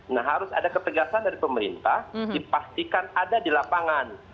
nah harus ada ketegasan dari pemerintah dipastikan ada di lapangan